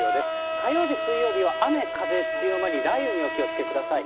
火曜日、水曜日は雨風強まり、雷雨にお気をつけください。